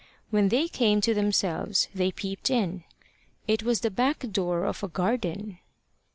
When they came to themselves they peeped in. It was the back door of a garden.